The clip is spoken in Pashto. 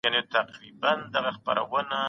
هغه ناول مې ډېر خوښ سو.